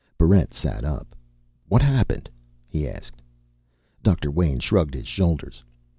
Barrent sat up. "What happened?" he asked. Doctor Wayn shrugged his shoulders.